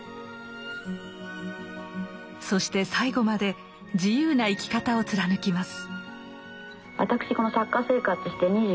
そして最後まで自由な生き方を貫きます。